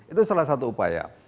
itu salah satu upaya